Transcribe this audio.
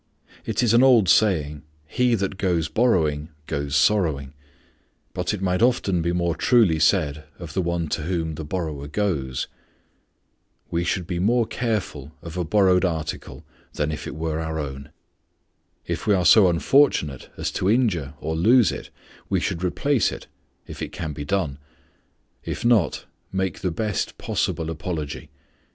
IT is an old saying, "He that goes borrowing goes sorrowing"; but it might often be more truly said of the one to whom the borrower goes. We should be more careful of a borrowed article than if it were our own. If we are so unfortunate as to injure or lose it, we should replace it, if it can be done; if not, make the best possible apology.